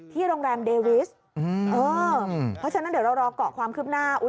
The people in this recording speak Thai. โรงแรมเดวิสเพราะฉะนั้นเดี๋ยวเรารอเกาะความคืบหน้า